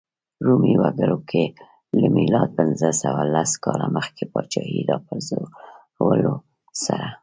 رومي وګړو له میلاد پنځه سوه لس کاله مخکې پاچاهۍ راپرځولو سره.